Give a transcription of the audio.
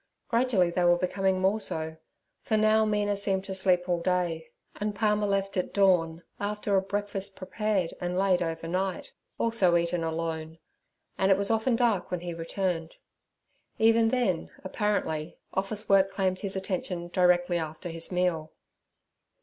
Gradually they were becoming more so, for now Mina seemed to sleep all day, and Palmer left at dawn after a breakfast prepared and laid overnight, also eaten alone, and it was often dark when he returned. Even then, apparently, office work claimed his attention directly after his meal.